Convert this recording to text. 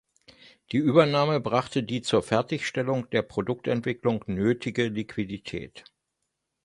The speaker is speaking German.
Die Übernahme brachte die zur Fertigstellung der Produktentwicklung nötige Liquidität.